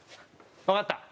わかった。